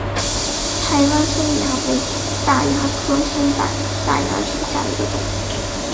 台湾松蚜为大蚜科松柏大蚜属下的一个种。